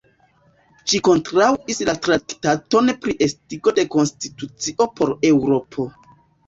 Ŝi kontraŭis la Traktaton pri Estigo de Konstitucio por Eŭropo.